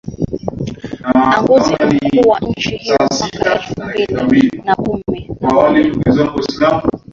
anguzi mkuu wa nchi hiyo mwaka elfu mbili na kumi na moja